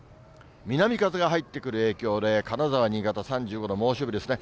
南風が入ってくる影響で、金沢、新潟３５度、猛暑日ですね。